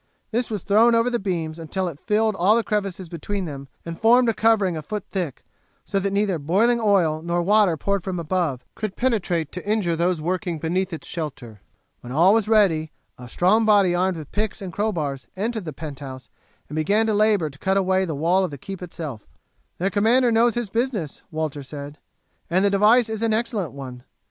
This was thrown over the beams until it filled all the crevices between them and formed a covering a foot thick, so that neither boiling oil nor water poured from above could penetrate to injure those working beneath its shelter. When all was ready a strong body armed with picks and crowbars entered the penthouse and began to labour to cut away the wall of the keep itself. "Their commander knows his business," Walter said, "and the device is an excellent one.